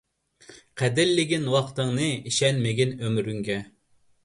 قەدىرلىگىن ۋاقتىڭنى، ئىشەنمىگىن ئۆمرۈڭگە.